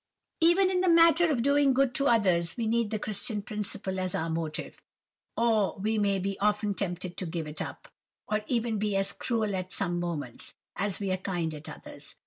"Even in the matter of doing good to others, we need the Christian principle as our motive, or we may be often tempted to give it up, or even to be as cruel at some moments, as we are kind at others.